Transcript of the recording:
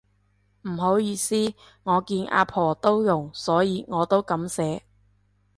唔好意思，我見阿婆都用所以我都噉寫